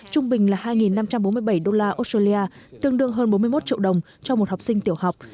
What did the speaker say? trung bình là hai năm trăm bốn mươi bảy đô la australia tương đương hơn bốn mươi một triệu đồng cho một học sinh tiểu học